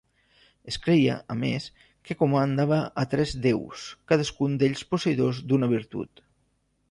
Es creia, a més, que comandava a tres déus, cadascun d'ells posseïdor d'una virtut.